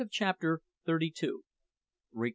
CHAPTER THIRTY THREE.